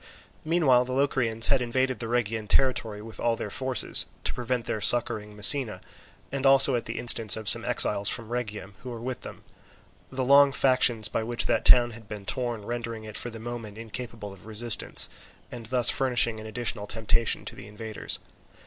Meanwhile, the Locrians had invaded the Rhegian territory with all their forces, to prevent their succouring Messina, and also at the instance of some exiles from Rhegium who were with them; the long factions by which that town had been torn rendering it for the moment incapable of resistance, and thus furnishing an additional temptation to the invaders.